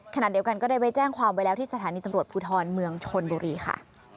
ขณะเดียวกันก็ได้ไปแจ้งความไว้แล้วที่สถานีตำรวจภูทรเมืองชนบุรีค่ะ